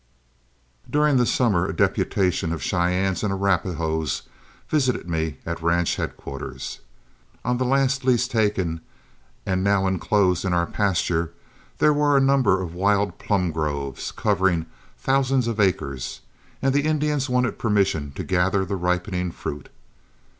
During the summer a deputation of Cheyennes and Arapahoes visited me at ranch headquarters. On the last lease taken, and now inclosed in our pasture, there were a number of wild plum groves, covering thousands of acres, and the Indians wanted permission to gather the ripening fruit.